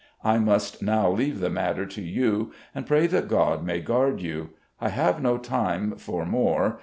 ... I must now leave the matter to you, and pray that God may guard you. I have no time for more.